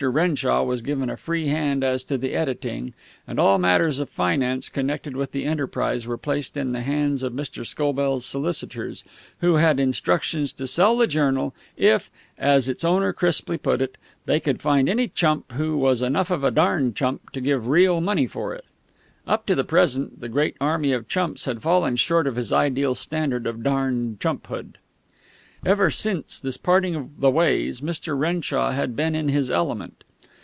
Renshaw was given a free hand as to the editing, and all matters of finance connected with the enterprise were placed in the hands of Mr. Scobell's solicitors, who had instructions to sell the journal, if, as its owner crisply put it, they could find any chump who was enough of a darned chump to give real money for it. Up to the present the great army of chumps had fallen short of this ideal standard of darned chumphood. Ever since this parting of the ways, Mr. Renshaw had been in his element.